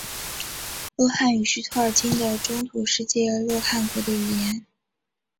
洛汗语是托尔金的中土世界洛汗国的语言。